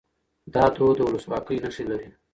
دا دود د ولسواکۍ نښې لري.